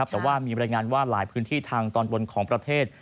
แต่ว่ามีบรรยายงานว่าหลายพื้นที่ทางตอนบนของประเทศ